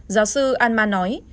giáo sư alma nói